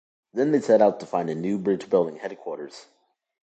Then they set out to find the new bridge-building headquarters.